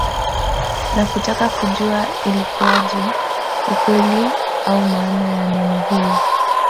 Na kutaka kujua ilikuaje ukweli au maana ya neno hili